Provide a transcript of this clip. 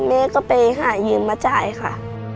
แม่ก็ไปหายืมมาจ่ายค่ะ